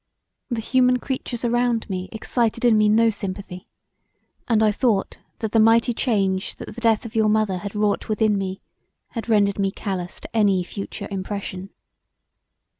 The human creatures around me excited in me no sympathy and I thought that the mighty change that the death of your mother had wrought within me had rendered me callous to any future impression.